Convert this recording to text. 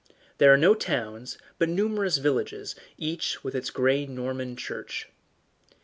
There are no towns, but numerous villages, each with its grey Norman church.